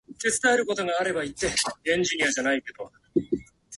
高校最後の夏